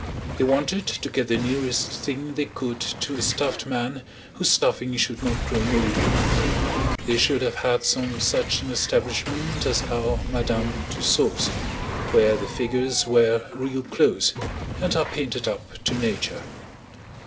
They wanted to get the nearest thing they could to a stuffed man whose stuffing should not grow mouldy. They should have had some such an establishment as our Madame Tussaud's, where the figures wear real clothes, and are painted up to nature.